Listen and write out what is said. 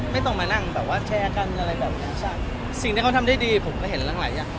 ไม่ต้องมานั่งแบบว่าแชร์กันอะไรแบบเนี้ยใช่สิ่งที่เขาทำได้ดีผมก็เห็นตั้งหลายอย่าง